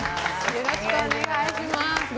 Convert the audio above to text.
よろしくお願いします。